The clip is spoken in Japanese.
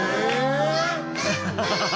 ハハハハ！